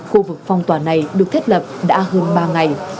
khu vực phong tỏa này được thiết lập đã hơn ba ngày